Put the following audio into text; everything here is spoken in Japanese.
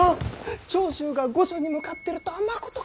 長州が御所に向かってるとはまことか？